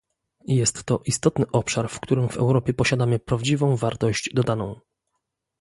Jest to istotny obszar, w którym w Europie posiadamy prawdziwą wartość dodaną